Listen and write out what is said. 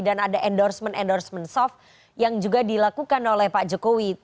dan ada endorsement endorsement soft yang juga dilakukan oleh pak jokowi